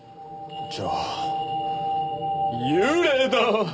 じゃあ幽霊だ！